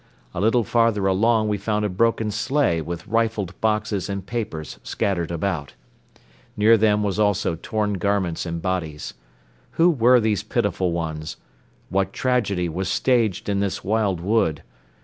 A little farther along we found a broken sleigh with rifled boxes and papers scattered about. Near them were also torn garments and bodies. Who were these pitiful ones? What tragedy was staged in this wild wood?